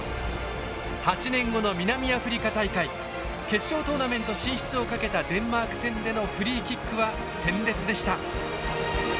決勝トーナメント進出をかけたデンマーク戦でのフリーキックは鮮烈でした。